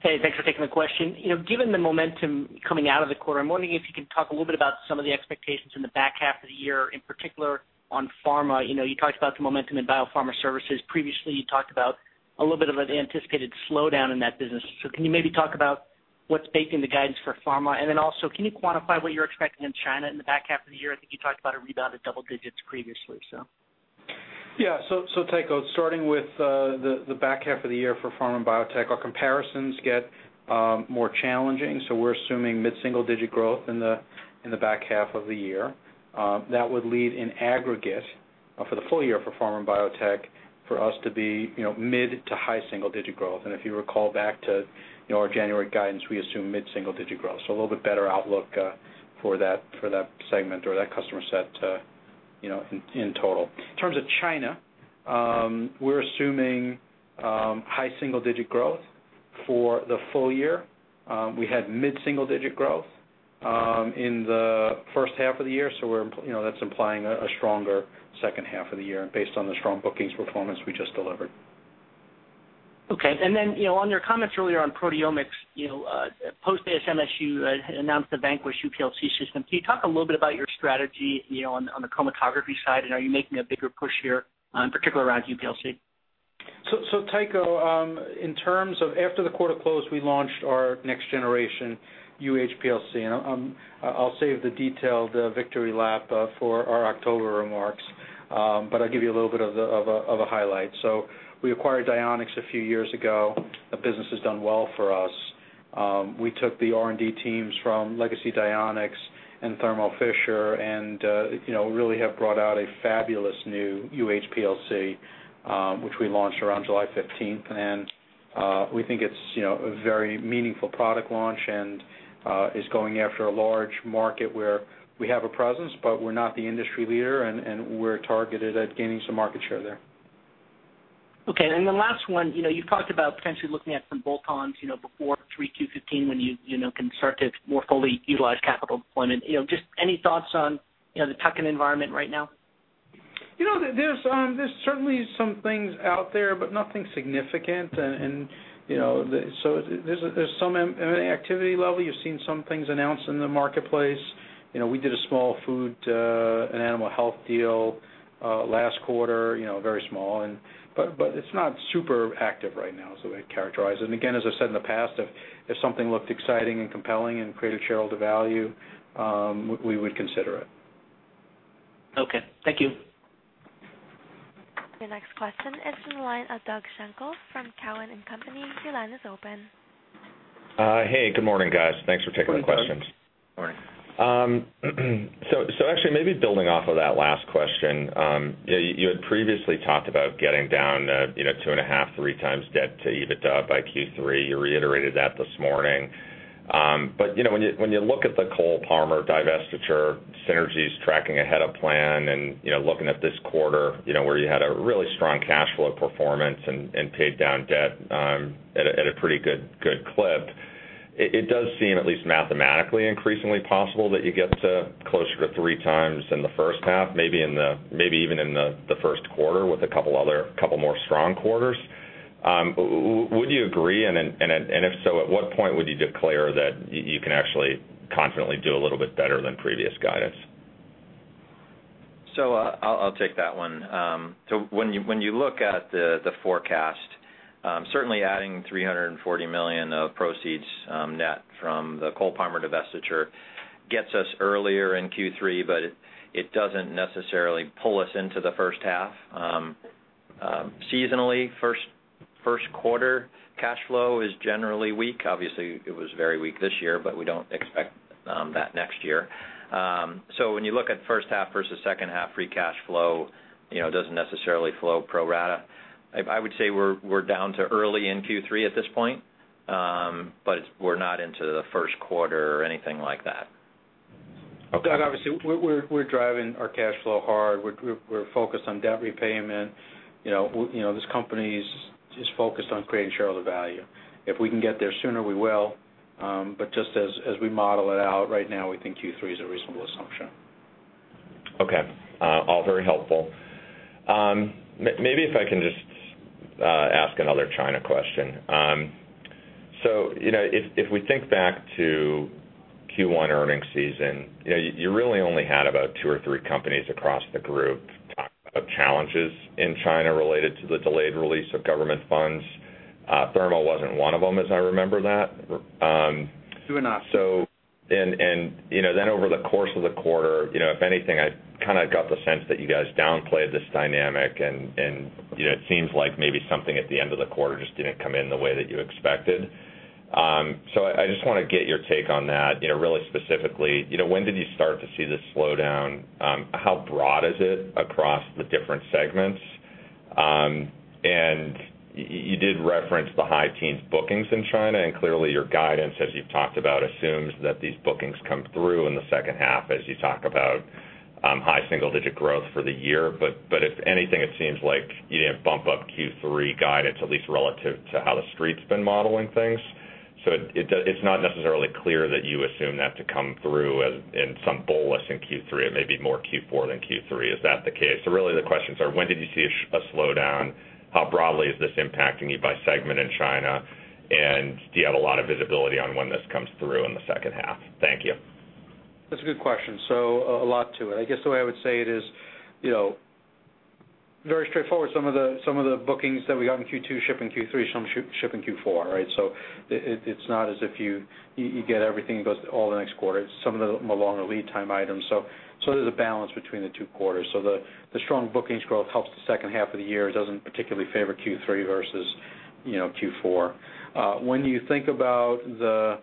Hey, thanks for taking the question. Given the momentum coming out of the quarter, I am wondering if you can talk a little bit about some of the expectations in the back half of the year, in particular on pharma. You talked about the momentum in biopharma services. Previously, you talked about a little bit of an anticipated slowdown in that business. Can you maybe talk about what is baking the guidance for pharma? Also, can you quantify what you are expecting in China in the back half of the year? I think you talked about a rebound at double digits previously. Tycho, starting with the back half of the year for pharma and biotech, our comparisons get more challenging. We are assuming mid-single digit growth in the back half of the year. That would lead in aggregate for the full year for pharma and biotech for us to be mid to high single digit growth. If you recall back to our January guidance, we assume mid-single digit growth. A little bit better outlook for that segment or that customer set in total. In terms of China, we are assuming high single digit growth for the full year. We had mid-single digit growth in the first half of the year, so that is implying a stronger second half of the year based on the strong bookings performance we just delivered. On your comments earlier on proteomics, post ASMS, you announced the Vanquish UHPLC system. Can you talk a little bit about your strategy on the chromatography side, and are you making a bigger push here, particularly around UHPLC? Tycho, after the quarter closed, we launched our next generation UHPLC, and I'll save the detailed victory lap for our October remarks, but I'll give you a little bit of a highlight. We acquired Dionex a few years ago. The business has done well for us. We took the R&D teams from Legacy Dionex and Thermo Fisher and really have brought out a fabulous new UHPLC, which we launched around July 15th. We think it's a very meaningful product launch, and is going after a large market where we have a presence, but we're not the industry leader, and we're targeted at gaining some market share there. Okay. The last one, you've talked about potentially looking at some bolt-ons before 3Q 2015 when you can start to more fully utilize capital deployment. Just any thoughts on the tuck-in environment right now? There's certainly some things out there, but nothing significant. There's some M&A activity level. You've seen some things announced in the marketplace. We did a small food, an animal health deal last quarter, very small. It's not super active right now is the way I'd characterize it. Again, as I said in the past, if something looked exciting and compelling and created shareholder value, we would consider it. Okay. Thank you. Your next question is from the line of Doug Schenkel from Cowen and Company. Your line is open. Hey, good morning, guys. Thanks for taking the questions. Morning. Actually, maybe building off of that last question. You had previously talked about getting down two and a half, three times debt to EBITDA by Q3. You reiterated that this morning. When you look at the Cole-Parmer divestiture synergies tracking ahead of plan and looking at this quarter where you had a really strong cash flow performance and paid down debt at a pretty good clip, it does seem at least mathematically, increasingly possible that you get to closer to three times in the first half, maybe even in the first quarter with a couple more strong quarters. Would you agree, and if so, at what point would you declare that you can actually confidently do a little bit better than previous guidance? I'll take that one. When you look at the forecast, certainly adding $340 million of proceeds net from the Cole-Parmer divestiture gets us earlier in Q3, but it doesn't necessarily pull us into the first half. Seasonally, first quarter cash flow is generally weak. Obviously, it was very weak this year, but we don't expect that next year. When you look at first half versus second half free cash flow, it doesn't necessarily flow pro rata. I would say we're down to early in Q3 at this point, but we're not into the first quarter or anything like that. Obviously, we're driving our cash flow hard. We're focused on debt repayment. This company's just focused on creating shareholder value. If we can get there sooner, we will. Just as we model it out right now, we think Q3 is a reasonable assumption. Okay. All very helpful. Maybe if I can just ask another China question. If we think back to Q1 earnings season, you really only had about two or three companies across the group talk about challenges in China related to the delayed release of government funds. Thermo wasn't one of them, as I remember that. Two and a half. Over the course of the quarter, if anything, I kind of got the sense that you guys downplayed this dynamic, and it seems like maybe something at the end of the quarter just didn't come in the way that you expected. I just want to get your take on that, really specifically, when did you start to see this slowdown? How broad is it across the different segments? You did reference the high teens bookings in China, and clearly your guidance, as you've talked about, assumes that these bookings come through in the second half as you talk about high single digit growth for the year. If anything, it seems like you didn't bump up Q3 guidance, at least relative to how the street's been modeling things. It's not necessarily clear that you assume that to come through in some bullish in Q3. It may be more Q4 than Q3. Is that the case? Really the questions are, when did you see a slowdown? How broadly is this impacting you by segment in China, and do you have a lot of visibility on when this comes through in the second half? Thank you. That's a good question. A lot to it. I guess the way I would say it is very straightforward. Some of the bookings that we got in Q2 ship in Q3, some ship in Q4, right? It's not as if you get everything that goes all the next quarter. It's some of the longer lead time items. There's a balance between the two quarters. The strong bookings growth helps the second half of the year. It doesn't particularly favor Q3 versus Q4. When you think about the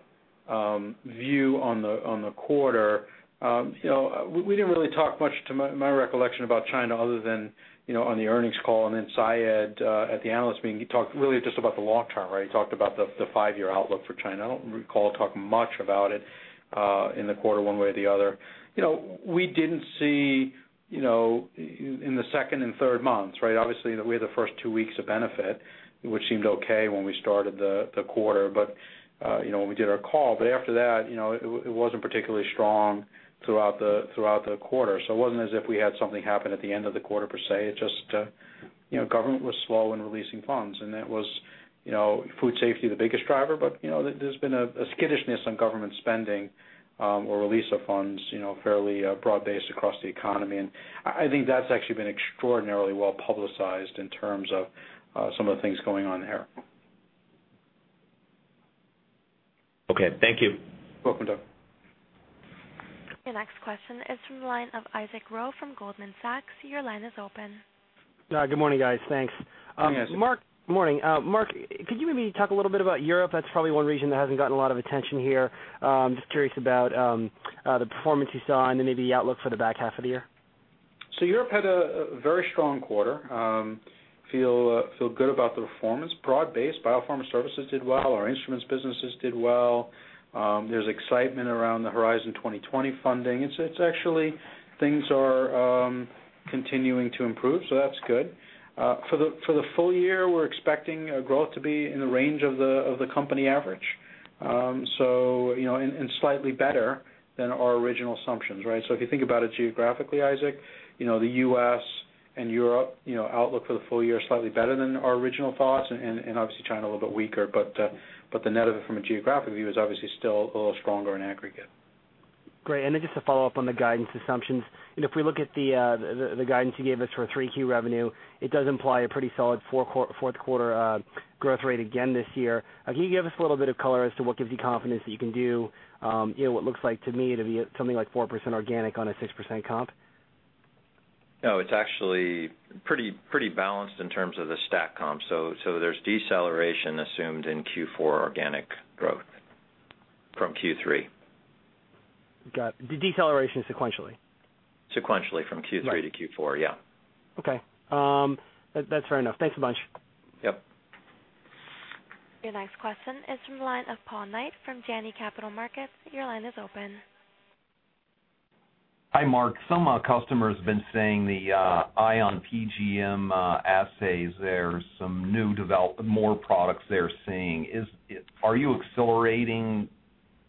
view on the quarter, we didn't really talk much to my recollection about China other than on the earnings call and then Syed at the analyst meeting, he talked really just about the long term, right? He talked about the five-year outlook for China. I don't recall talking much about it in the quarter one way or the other. We didn't see in the second and third months, right? Obviously, we had the first two weeks of benefit, which seemed okay when we started the quarter, when we did our call, but after that, it wasn't particularly strong throughout the quarter. It wasn't as if we had something happen at the end of the quarter, per se. It just government was slow in releasing funds, and that was Food Safety, the biggest driver, but there's been a skittishness on government spending or release of funds, fairly broad-based across the economy. I think that's actually been extraordinarily well-publicized in terms of some of the things going on there. Okay, thank you. You're welcome, Doug. Your next question is from the line of Isaac Ro from Goldman Sachs. Your line is open. Good morning, guys. Thanks. Yes. Morning. Marc, could you maybe talk a little bit about Europe? That's probably one region that hasn't gotten a lot of attention here. Just curious about the performance you saw and then maybe the outlook for the back half of the year. Europe had a very strong quarter. Feel good about the performance, broad-based. Biopharma services did well. Our instruments businesses did well. There's excitement around the Horizon 2020 funding. Actually, things are continuing to improve, so that's good. For the full year, we're expecting our growth to be in the range of the company average. Slightly better than our original assumptions, right? If you think about it geographically, Isaac, the U.S. and Europe outlook for the full year is slightly better than our original thoughts and obviously, China a little bit weaker, but the net of it from a geographic view is obviously still a little stronger in aggregate. Great. Just to follow up on the guidance assumptions, if we look at the guidance you gave us for 3Q revenue, it does imply a pretty solid fourth quarter growth rate again this year. Can you give us a little bit of color as to what gives you confidence that you can do, what looks like to me to be something like 4% organic on a 6% comp? No, it's actually pretty balanced in terms of the stack comp. There's deceleration assumed in Q4 organic growth from Q3. Got it. Deceleration sequentially? Sequentially from Q3 to Q4, yeah. Okay. That's fair enough. Thanks a bunch. Yep. Your next question is from the line of Paul Knight from Janney Capital Markets. Your line is open. Hi, Marc. Some customers have been saying the Ion PGM assays, there's some more products they're seeing. Are you accelerating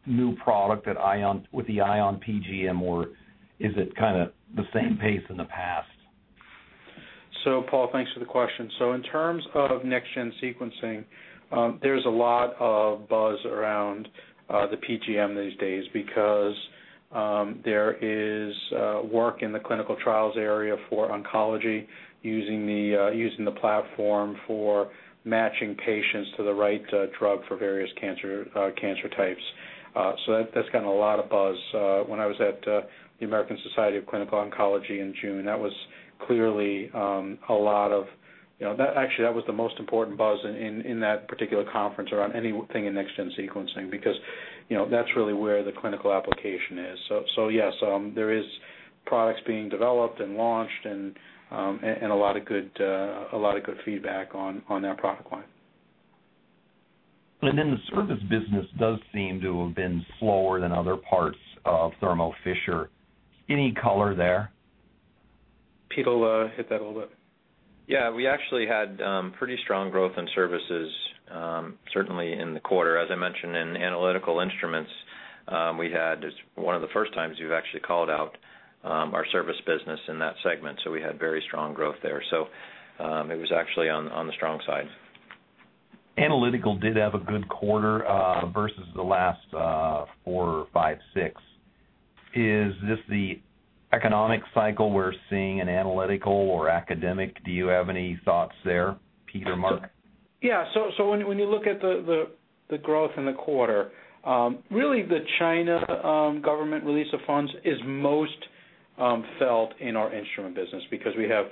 new product with the Ion PGM, or is it kind of the same pace in the past? Paul, thanks for the question. In terms of next-gen sequencing, there is a lot of buzz around the PGM these days because there is work in the clinical trials area for oncology using the platform for matching patients to the right drug for various cancer types. That's gotten a lot of buzz. When I was at the American Society of Clinical Oncology in June, actually, that was the most important buzz in that particular conference around anything in next-gen sequencing, because that's really where the clinical application is. Yes, there is products being developed and launched and a lot of good feedback on that product line. The service business does seem to have been slower than other parts of Thermo Fisher. Any color there? Peter will hit that a little bit. We actually had pretty strong growth in services, certainly in the quarter. As I mentioned, in Analytical Instruments, it's one of the first times we've actually called out our service business in that segment, so we had very strong growth there. It was actually on the strong side. Analytical did have a good quarter versus the last four, five, six. Is this the economic cycle we're seeing in Analytical or academic? Do you have any thoughts there, Peter, Marc? Yeah. When you look at the growth in the quarter, really the China government release of funds is most felt in our instrument business because we have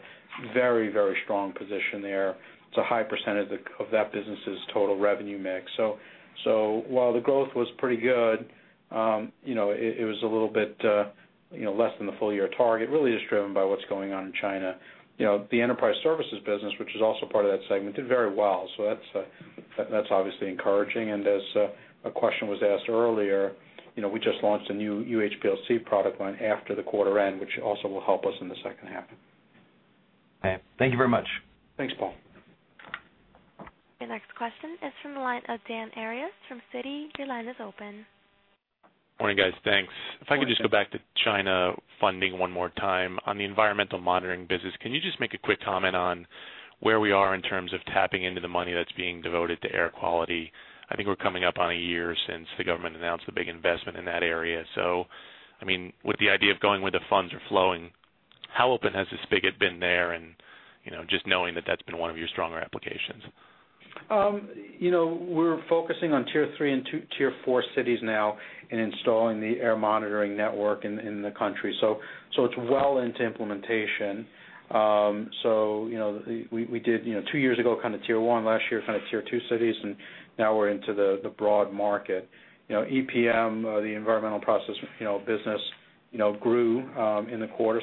a very strong position there to high percentage of that business' total revenue mix. While the growth was pretty good, it was a little bit less than the full-year target, really just driven by what's going on in China. The enterprise services business, which is also part of that segment, did very well. That's obviously encouraging, and as a question was asked earlier, we just launched a new UHPLC product line after the quarter end, which also will help us in the second half. Thank you very much. Thanks, Paul. Your next question is from the line of Dan Arias from Citi. Your line is open. Morning, guys. Thanks. If I could just go back to China funding one more time. On the environmental monitoring business, can you just make a quick comment on where we are in terms of tapping into the money that's being devoted to air quality? I think we're coming up on a year since the government announced the big investment in that area. With the idea of going where the funds are flowing, how open has the spigot been there and just knowing that that's been one of your stronger applications? We're focusing on tier 3 and tier 4 cities now in installing the air monitoring network in the country. It's well into implementation. We did two years ago, tier 1, last year tier 2 cities, and now we're into the broad market. EPM, the Environmental and Process Monitoring business grew in the quarter,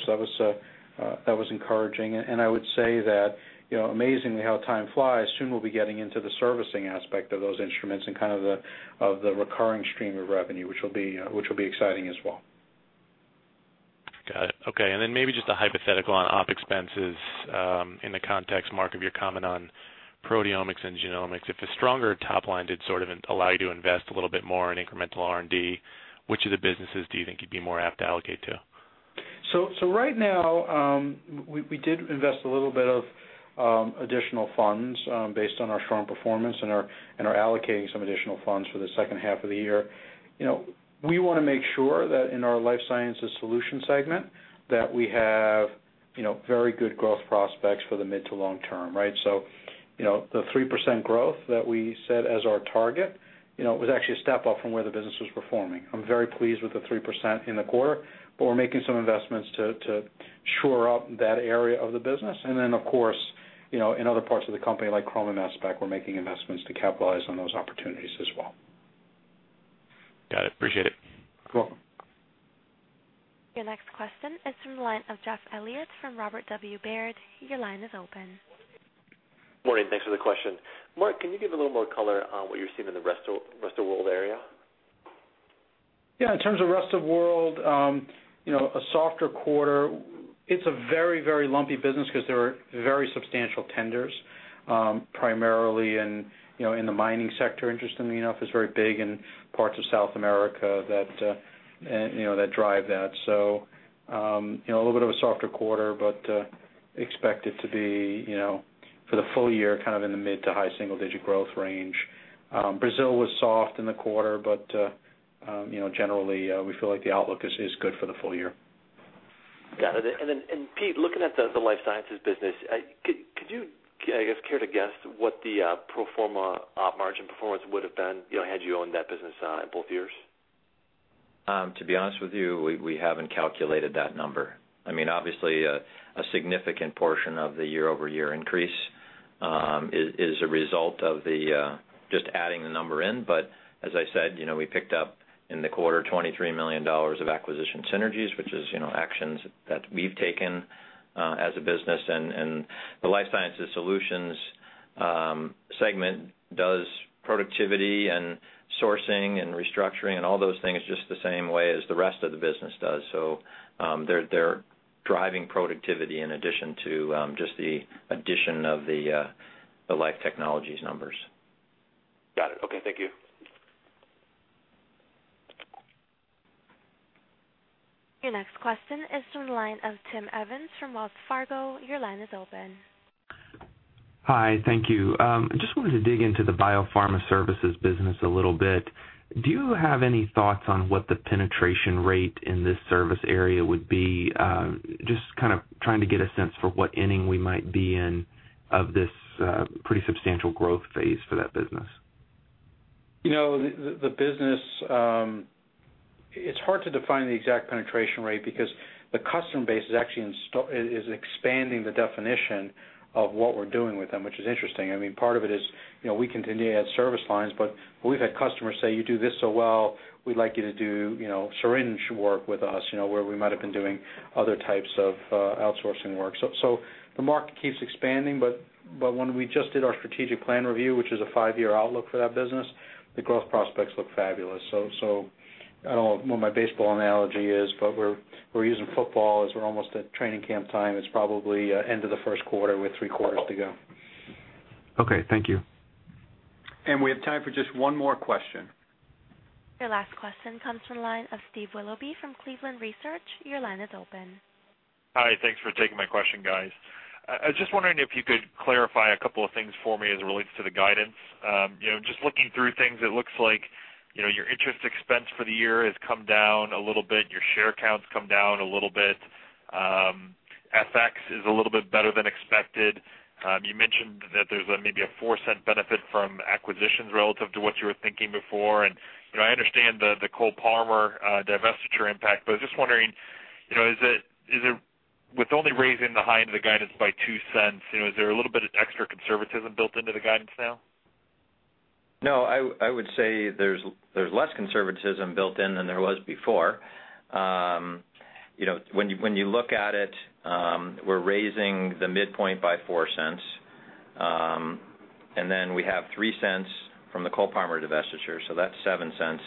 that was encouraging. I would say that, amazingly how time flies, soon we'll be getting into the servicing aspect of those instruments and the recurring stream of revenue, which will be exciting as well. Got it. Okay. Maybe just a hypothetical on OpEx in the context, Marc, of your comment on proteomics and genomics. If a stronger top line did sort of allow you to invest a little bit more in incremental R&D, which of the businesses do you think you'd be more apt to allocate to? Right now, we did invest a little bit of additional funds based on our strong performance and are allocating some additional funds for the second half of the year. We want to make sure that in our Life Sciences Solutions segment that we have very good growth prospects for the mid to long term, right? The 3% growth that we set as our target, was actually a step up from where the business was performing. I am very pleased with the 3% in the quarter, but we are making some investments to shore up that area of the business. Then, of course, in other parts of the company, like Chrome and spec, we are making investments to capitalize on those opportunities as well. Got it. Appreciate it. You are welcome. Your next question is from the line of Jeff Elliott from Robert W. Baird. Your line is open. Morning. Thanks for the question. Marc, can you give a little more color on what you're seeing in the rest of world area? Yeah. In terms of rest of world, a softer quarter. It's a very, very lumpy business because there are very substantial tenders, primarily in the mining sector, interestingly enough. It's very big in parts of South America that drive that. A little bit of a softer quarter, but expect it to be, for the full year, kind of in the mid to high single-digit growth range. Brazil was soft in the quarter, but, generally, we feel like the outlook is good for the full year. Got it. Pete, looking at the life sciences business, could you, I guess, care to guess what the pro forma op margin performance would've been, had you owned that business both years? To be honest with you, we haven't calculated that number. Obviously, a significant portion of the year-over-year increase is a result of just adding the number in. As I said, we picked up in the quarter $23 million of acquisition synergies, which is actions that we've taken, as a business. The Life Sciences Solutions segment does productivity and sourcing and restructuring and all those things just the same way as the rest of the business does. They're driving productivity in addition to just the addition of the Life Technologies numbers. Got it. Okay. Thank you. Your next question is from the line of Tim Evans from Wells Fargo. Your line is open. Hi. Thank you. I just wanted to dig into the biopharma services business a little bit. Do you have any thoughts on what the penetration rate in this service area would be? Just kind of trying to get a sense for what inning we might be in of this pretty substantial growth phase for that business. The business, it's hard to define the exact penetration rate because the customer base is actually expanding the definition of what we're doing with them, which is interesting. Part of it is, we continue to add service lines, but we've had customers say, "You do this so well, we'd like you to do syringe work with us," where we might've been doing other types of outsourcing work. The market keeps expanding, but when we just did our strategic plan review, which is a five-year outlook for that business, the growth prospects look fabulous. I don't know what my baseball analogy is, but we're using football as we're almost at training camp time. It's probably end of the first quarter with three quarters to go. Okay. Thank you. We have time for just one more question. Your last question comes from the line of Steve Willoughby from Cleveland Research. Your line is open. Hi. Thanks for taking my question, guys. I was just wondering if you could clarify a couple of things for me as it relates to the guidance. Just looking through things, it looks like your interest expense for the year has come down a little bit, your share count's come down a little bit. FX is a little bit better than expected. You mentioned that there's maybe a $0.04 benefit from acquisitions relative to what you were thinking before. I understand the Cole-Parmer divestiture impact, but I was just wondering, with only raising the high end of the guidance by $0.02, is there a little bit of extra conservatism built into the guidance now? No, I would say there's less conservatism built in than there was before. When you look at it, we're raising the midpoint by $0.04. We have $0.03 from the Cole-Parmer divestiture, so that's $0.07.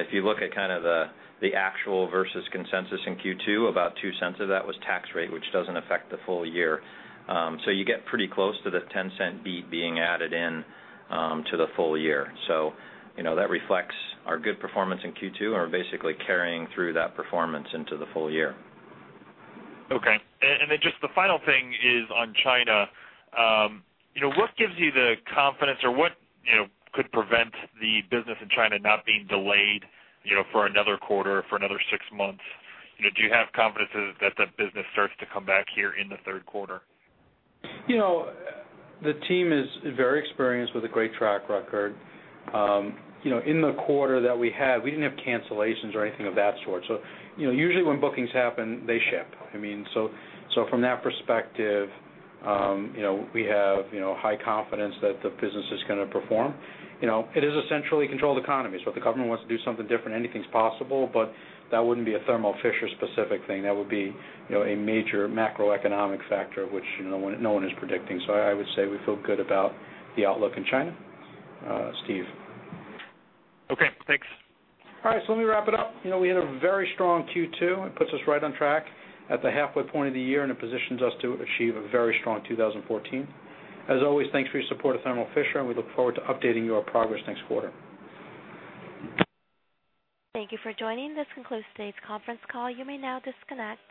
If you look at kind of the actual versus consensus in Q2, about $0.02 of that was tax rate, which doesn't affect the full year. You get pretty close to the $0.10 beat being added in to the full year. That reflects our good performance in Q2, and we're basically carrying through that performance into the full year. Okay. Just the final thing is on China. What gives you the confidence or what could prevent the business in China not being delayed for another quarter or for another 6 months? Do you have confidence that that business starts to come back here in the third quarter? The team is very experienced with a great track record. In the quarter that we had, we didn't have cancellations or anything of that sort. Usually when bookings happen, they ship. From that perspective, we have high confidence that the business is going to perform. It is a centrally controlled economy, so if the government wants to do something different, anything's possible, but that wouldn't be a Thermo Fisher specific thing. That would be a major macroeconomic factor, which no one is predicting. I would say we feel good about the outlook in China, Steve. Okay, thanks. All right, let me wrap it up. We had a very strong Q2. It puts us right on track at the halfway point of the year, and it positions us to achieve a very strong 2014. As always, thanks for your support of Thermo Fisher, and we look forward to updating your progress next quarter. Thank you for joining. This concludes today's conference call. You may now disconnect.